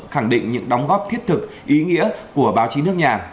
khẳng định những đóng góp thiết thực ý nghĩa của báo chí nước nhà